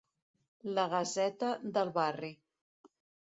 La gaseta del barri.